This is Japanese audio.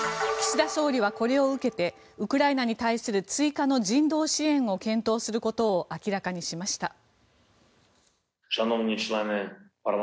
岸田総理はこれを受けてウクライナに対する追加の人道支援を検討することを明らかにしました。